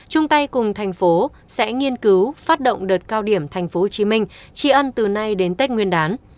trung tay cùng thành phố sẽ nghiên cứu phát động đợt cao điểm thành phố hồ chí minh tri ân từ nay đến tết nguyên đán